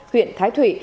huyện thái thủy